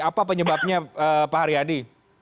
apa penyebabnya pak haryadi